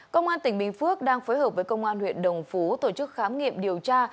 công an tỉnh bình phước đang phối hợp với công an huyện đồng phú tổ chức khám nghiệm điều tra